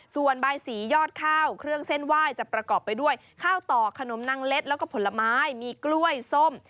ส่วนใบสียอดข้าวเครื่องเส้นไหว้จะประกอบไปด้วยข้าวต่อขนมนางเล็ดแล้วก็ผลไม้มีกล้วยส้ม